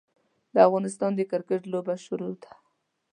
د افغانستان د کرکیټ لوبه شروع ده.